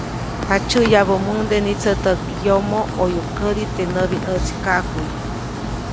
Jaʼtsyäʼyabäʼmuŋde nitsätäʼk yomo ʼoyuʼk kädi teʼ näʼbinʼäʼtsikaʼkuʼy.